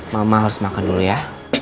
mama harus makan dulu ya